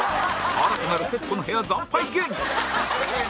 新たなる徹子の部屋惨敗芸人